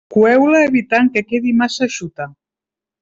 Coeu-la evitant que quedi massa eixuta.